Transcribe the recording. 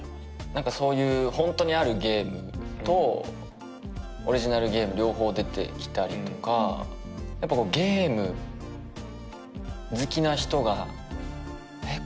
何かそういうホントにあるゲームとオリジナルゲーム両方出てきたりとかやっぱこうゲーム好きな人がえっ